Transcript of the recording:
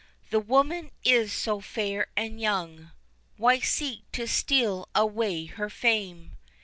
The woman is so fair and young Why seek to steal away her fame?